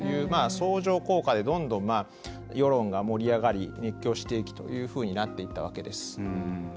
相乗効果でどんどん世論が盛り上がり熱狂していきというふうになっていったわけです。